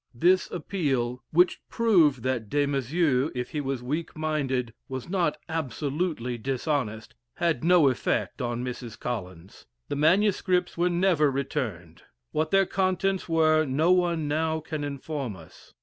This appeal (which proved that Des Maizeaux, if he was weak minded, was not absolutely dishonest) had no effect on Mrs. Collins. The manuscripts were never returned. What their contents were, no one now can inform us.